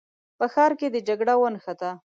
په ښار کې د جګړه ونښته.